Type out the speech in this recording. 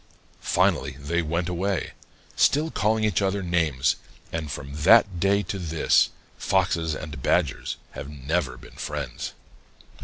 Finally they went away, still calling each other names, and from that day to this, Foxes and Badgers have never been friends.